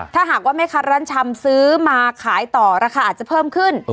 ถ้าหากว่าแม่ค้าร้านชำซื้อมาขายต่อราคาอาจจะเพิ่มขึ้น